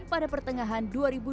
pada pertengahan dua ribu dua puluh